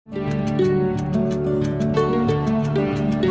hãy đăng ký kênh để ủng hộ kênh của mình nhé